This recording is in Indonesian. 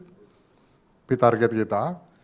dan p target kita